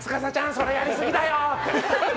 それやりすぎだよって。